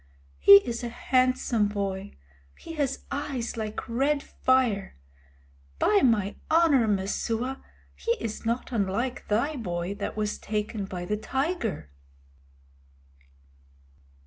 He is a handsome boy. He has eyes like red fire. By my honor, Messua, he is not unlike thy boy that was taken by the tiger."